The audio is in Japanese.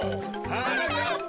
はなかっぱ！